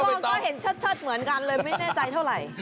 ก็เห็นเชิดเหมือนกันเลยไม่แน่ใจเท่าไหร่